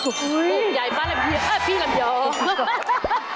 อุ๊ยใหญ่ป้านอ่ะพี่ลำยอ